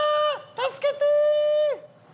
助けてー！